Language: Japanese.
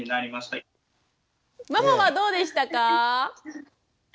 ママはどうでしたか？